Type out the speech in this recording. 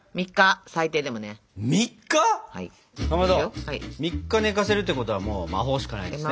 かまど３日寝かせるってことはもう魔法しかないですね。